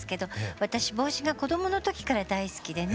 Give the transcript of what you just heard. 私帽子が子どもの時から大好きでね。